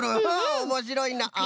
おもしろいな。